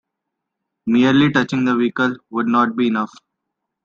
Merely touching the vehicle would not be enough.